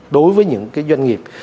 đối với những cái doanh nghiệp